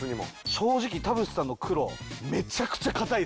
正直田渕さんの黒めちゃくちゃ堅いです。